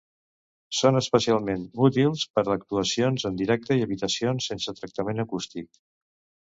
Són especialment útils per a actuacions en directe i habitacions sense tractament acústic.